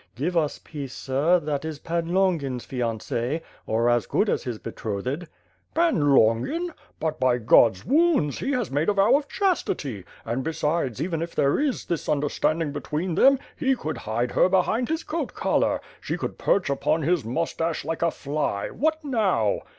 "Give us peace. Sir; that is Pan Longings fiancee; or as good as his betrothed." "Pan Longin? But by God's wounds! He has made a vow of chastity, and besides even if there is this understand ing between them, he could hide her behind his coat collar; she could perch upon his moustache like a fly — ^what now?"